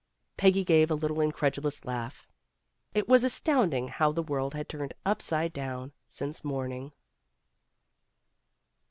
Peggy gave a little incredulous laugh. It was astonishing how the world had turned upside down since morning.